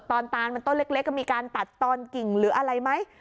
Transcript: ตานมันต้นเล็กก็มีการตัดตอนกิ่งหรืออะไรไหม